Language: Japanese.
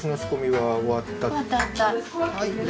はい。